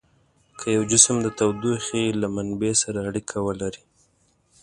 که یو جسم د تودوخې له منبع سره اړیکه ولري.